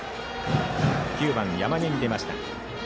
９番、山根に出ました。